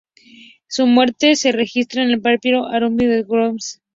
Su muerte se registra en el "papiro Arameo" de Brooklyn.